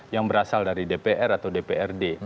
yang berasal dari dpr atau dprd